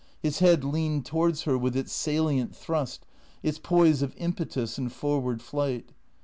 His head leaned towards her with its salient thrust, its poise of impetus and forward flight.